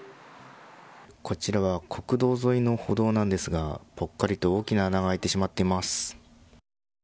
こちらは国道沿いの歩道ですがぽっかりと大きな穴が開いてしまっています。